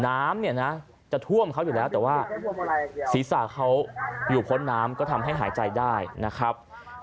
น้ำเนี่ยนะจะท่วมเขาอยู่แล้วแต่ว่าศีรษะเขาอยู่พ้นน้ำก็ทำให้หายใจได้นะครับ